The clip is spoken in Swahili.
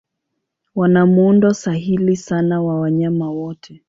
Wana muundo sahili sana wa wanyama wote.